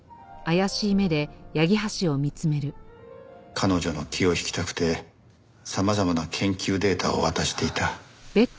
彼女の気を引きたくて様々な研究データを渡していた。